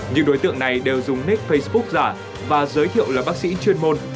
những đối tượng này đều dùng nick facebook giả và giới thiệu là bác sĩ chuyên môn